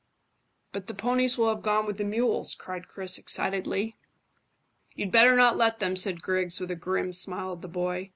"But the ponies will have gone with the mules," cried Chris excitedly. "You'd better not let them," said Griggs, with a grim smile at the boy.